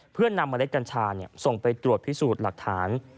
เพื่อนำเมล็ดกัญชาส่งไปตรวจพิสูจน์หลักฐาน